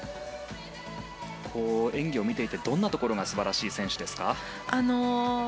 演技を見ていて、どんなところが素晴らしい選手ですか？